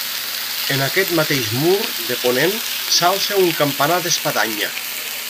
En aquest mateix mur de ponent s'alça un campanar d'espadanya.